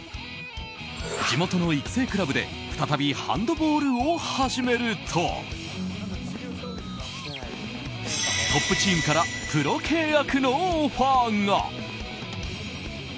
地元の育成クラブで再びハンドボールを始めるとトップチームからプロ契約のオファーが。